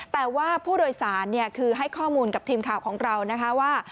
แต่ว่าผู้โดยสารคือให้ข้อมูลกับทีมข่าวของเรานะคะว่า